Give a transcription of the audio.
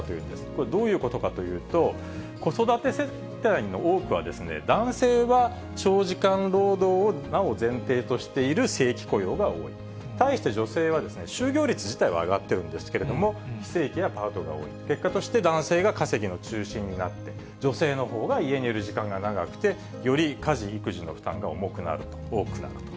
これ、どういうことかというと、子育て世帯の多くは、男性は長時間労働を、なお前提としている正規雇用が多い、対して女性はですね、就業率自体は上がっているんですけれども、非正規やパートが多い、結果として、男性が稼ぎの中心になって、女性のほうが家にいる時間が長くて、より家事・育児の負担が重くなる、多くなると。